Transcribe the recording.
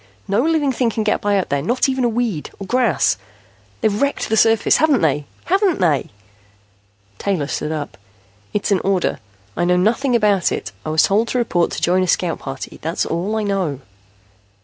No living thing can get by up there, not even a weed, or grass. They've wrecked the surface, haven't they? Haven't they?" Taylor stood up. "It's an order. I know nothing about it. I was told to report to join a scout party. That's all I know."